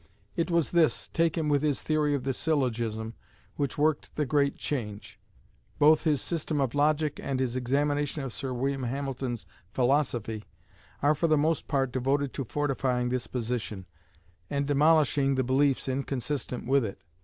It was this, taken with his theory of the syllogism, which worked the great change. Both his "System of Logic" and his "Examination of Sir William Hamilton's Philosophy" are for the most part devoted to fortifying this position, and demolishing beliefs inconsistent with it.